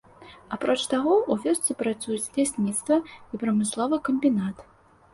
Апроч таго, у вёсцы працуюць лясніцтва і прамысловы камбінат.